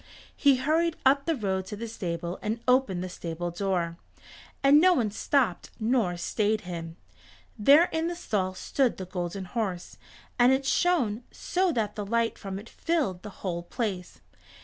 He hurried up the road to the stable and opened the stable door, and no one stopped nor stayed him. There in the stall stood the Golden Horse, and it shone so that the light from it filled the whole place.